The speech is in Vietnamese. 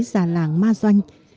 những tâm trí già làng ma doanh